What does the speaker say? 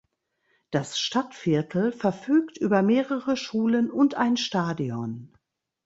Das Stadtviertel verfügt über mehrere Schulen und ein Stadion.